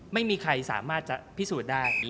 ไม่มีใครสามารถจะพิสูจน์ได้